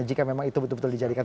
jika memang itu betul betul dijadikan